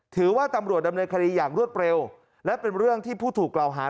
ถือว่าตำรวจดำเนินคดีอย่างรวดเร็วและเป็นเรื่องที่ผู้ถูกกล่าวหา